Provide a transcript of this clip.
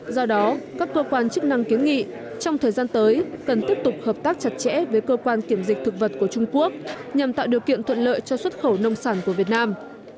do đó các cơ quan chức năng kiến nghị trong thời gian tới cần tiếp tục hợp tác chặt chẽ với cơ quan kiểm dịch thực vật của trung quốc nhằm tạo điều kiện thuận lợi cho xuất khẩu nông sản của việt nam